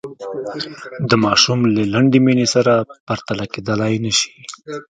د ماشوم له لنډې مینې سره پرتله کېدلای نه شي.